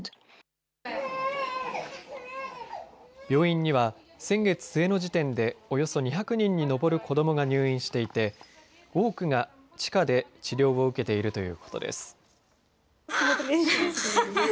病院には先月末の時点でおよそ２００人に上る子どもが入院していて多くが地下で治療を受けているということです。